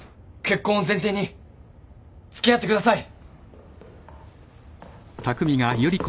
結婚を前提に付き合ってください！